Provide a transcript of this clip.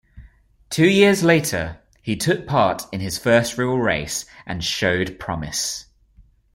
Two years later, he took part in his first real race and showed promise.